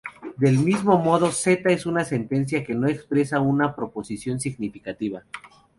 Del mismo modo, "Z es una sentencia que no expresa una proposición significativa".